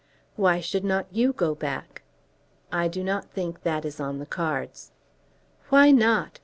"Why should not you go back?" "I do not think that is on the cards." "Why not?